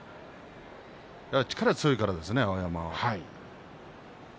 力が強いからですね、碧山は。